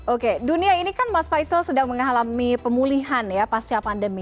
oke dunia ini kan mas faisal sedang mengalami pemulihan ya pasca pandemi